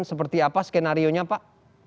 seperti apa skenario nya pak